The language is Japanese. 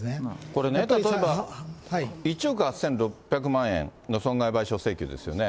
これね、例えば１億８６００万円の損害賠償請求ですよね。